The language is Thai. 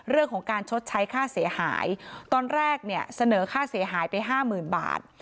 เรื่องของการชดใช้ค่าเสียหายตอนแรกเนี่ยเสนอค่าเสียหายไปห้าหมื่นบาท